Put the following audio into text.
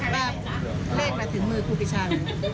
ว่าเลขมาถึงมือครูพิชา